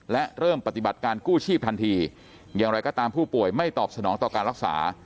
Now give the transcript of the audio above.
และเริ่มปฏิบัติการกู้ชีพทันทีอย่างไรก็ตามผู้ป่วยไม่ตอบสนองต่อการรักษา